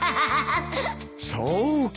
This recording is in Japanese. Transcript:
そうか。